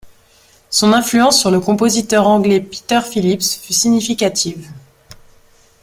Son influence sur le compositeur anglais Peter Philips fut significative.